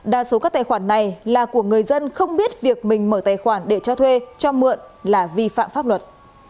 đa số các tài khoản này là của người dân không biết việc mình mở tài khoản để cho thuê cho mượn là vi phạm pháp luật